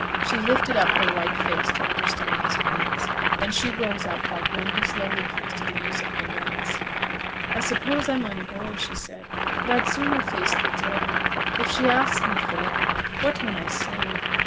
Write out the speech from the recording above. She lifted up her white face to understand his words, then she rose up like one who slowly comes to the use of her limbs. 'I suppose I mun go,' she said; 'but I'd sooner face the dead. If she asks me, Philip, what mun I say?'